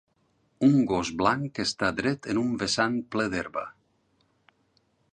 Un gos blanc està dret en un vessant ple d'herba.